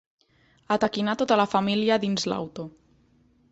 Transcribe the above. Ataquinar tota la família dins l'auto.